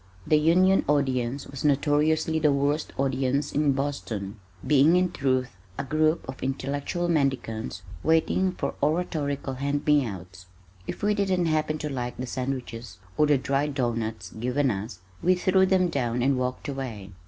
The Union audience was notoriously the worst audience in Boston, being in truth a group of intellectual mendicants waiting for oratorical hand me outs. If we didn't happen to like the sandwiches or the dry doughnuts given us, we threw them down and walked away.